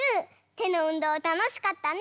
てのうんどうたのしかったね。